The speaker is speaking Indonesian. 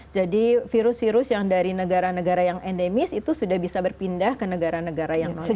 jadi virus virus yang dari negara negara yang endemis itu sudah bisa berpindah ke negara negara yang non endemis